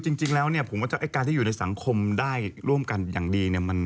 จริงแล้วเนี่ยไกลมันจะเท่านี่จากการที่อยู่ในสังคมได้ล่วมกันอย่างดีเนี่ย